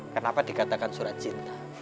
kenapa dikatakan surat cinta